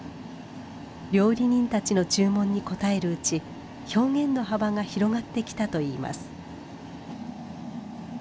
料理人たちの注文に応えるうち表現の幅が広がってきたといいます。